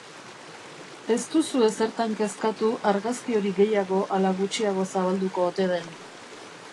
Ez duzue zertan kezkatu argazki hori gehiago ala gutxiago zabalduko ote den.